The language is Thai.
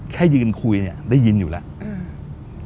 แค่ยืนคุยเนี่ยได้ยินอยู่แล้วอืม